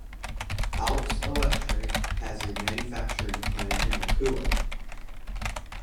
Alps Electric has a manufacturing plant in Wakuya.